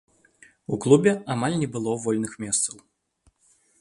У клубе амаль не было вольных месцаў.